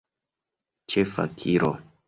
Ĉe fakiro.